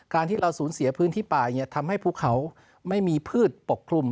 ที่เราสูญเสียพื้นที่ป่าทำให้ภูเขาไม่มีพืชปกคลุม